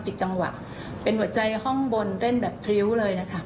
จังหวะเป็นหัวใจห้องบนเต้นแบบพริ้วเลยนะคะ